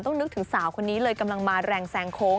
นึกถึงสาวคนนี้เลยกำลังมาแรงแซงโค้ง